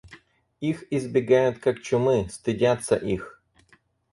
Их избегают как чумы, стыдятся их.